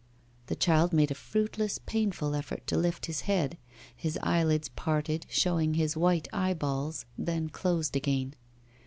The child made a fruitless, painful effort to lift his head; his eyelids parted, showing his white eyeballs, then closed again.